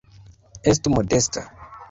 Estu modesta.